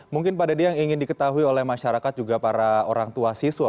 mungkin pak deddy yang ingin diketahui oleh masyarakat juga para orang tua siswa